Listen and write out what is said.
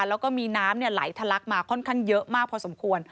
แล้วก็มีน้ำไหลทะลักมาค่อนข้างเยอะมากพอสมควร